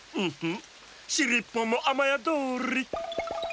しりっぽんもあまやどり。